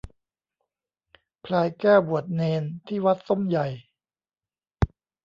พลายแก้วบวชเณรที่วัดส้มใหญ่